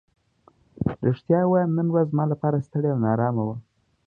رښتیا ووایم نن ورځ زما لپاره ستړې او نا ارامه وه.